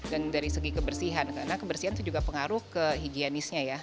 dan dari segi kebersihan karena kebersihan itu juga pengaruh ke higienisnya ya